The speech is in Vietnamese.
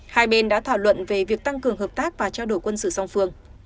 hai bên đã thảo luận về việc tăng cường hợp tác và trao đổi quân sự song phương